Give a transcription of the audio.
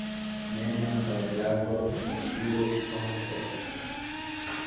Ne mankas lago, insulo, pontoj.